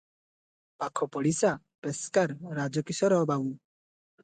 ପାଖ ପଡ଼ିଶା ପେସ୍କାର ରାଜକିଶୋର ବାବୁ ।